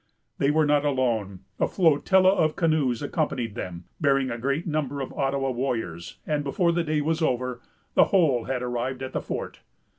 They were not alone. A flotilla of canoes accompanied them, bearing a great number of Ottawa warriors; and before the day was over, the whole had arrived at the fort.